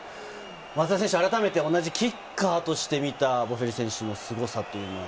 松田選手、同じキッカーとして見たボフェリ選手のすごさというのは？